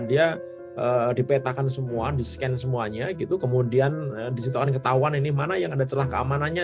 dia dipetakan semua di scan semuanya gitu kemudian disitu akan ketahuan ini mana yang ada celah keamanannya